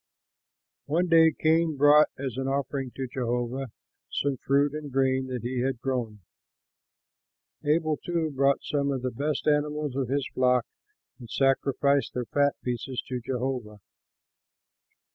One day Cain brought, as an offering to Jehovah, some fruit and grain that he had grown. Abel, too, brought some of the best animals of his flock and sacrificed their fat pieces to Jehovah.